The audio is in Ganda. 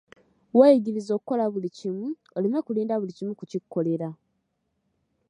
Weeyigirize okukola buli kimu, oleme kulinda buli kimu kukikolera.